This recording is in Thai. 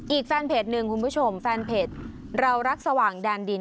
อีกแฟนเพจหนึ่งคุณผู้ชมแฟนเพจเรารักสว่างแดนดิน